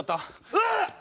うわっ！